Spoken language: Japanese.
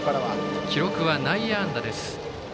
記録は内野安打。